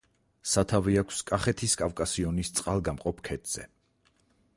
სათავე აქვს კახეთის კავკასიონის წყალგამყოფ ქედზე.